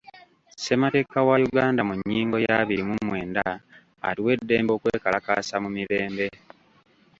Ssemateeka wa Uganda mu nnyingo ya abiri mu mwenda atuwa eddembe okwekalakaasa mu mirembe.